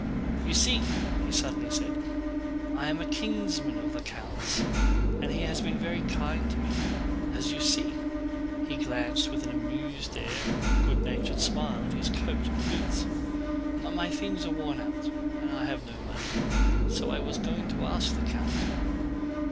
"You see," he suddenly said, "I am a kinsman of the count's and he has been very kind to me. As you see" (he glanced with an amused air and good natured smile at his coat and boots) "my things are worn out and I have no money, so I was going to ask the count..."